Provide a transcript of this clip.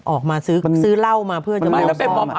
ออกมาซื้อเหล้ามาเพื่อจะมาแล้ว